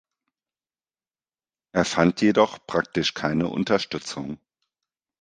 Er fand jedoch praktisch keine Unterstützung.